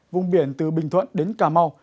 vùng biển từ bình thuận đến công thuận